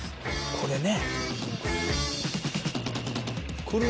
これね。